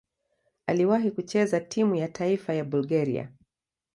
Aliwahi kucheza timu ya taifa ya Bulgaria.